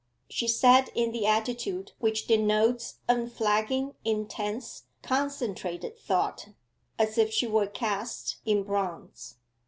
She sat in the attitude which denotes unflagging, intense, concentrated thought as if she were cast in bronze.